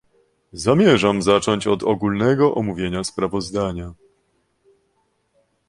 Zamierzam zacząć od ogólnego omówienia sprawozdania